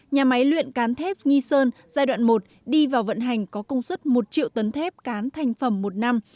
nhà máy luyện cán thép nghi sơn giai đoạn một đi vào vận hành có công suất một triệu tấn thép cán thành phẩm một năm